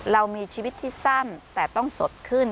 เรามีชีวิตที่สั้นแต่ต้องสดขึ้น